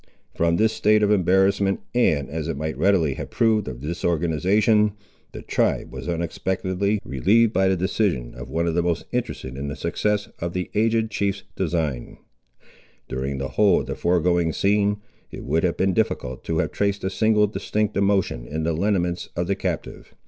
From this state of embarrassment, and as it might readily have proved of disorganisation, the tribe was unexpectedly relieved by the decision of the one most interested in the success of the aged chief's designs. During the whole of the foregoing scene, it would have been difficult to have traced a single distinct emotion in the lineaments of the captive.